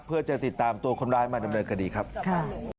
เพื่อจะติดตามตัวคนร้ายมาดำเนินคดีครับค่ะ